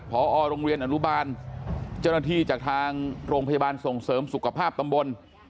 พอโรงเรียนอนุบาลเจ้าหน้าที่จากทางโรงพยาบาลส่งเสริมสุขภาพตำบล